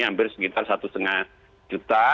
hampir sekitar satu lima juta